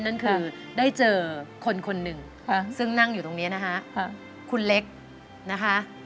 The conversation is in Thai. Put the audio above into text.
นั่นคือได้เจอคนคนหนึ่งซึ่งนั่งอยู่ตรงนี้นะคะคุณเล็กนะคะ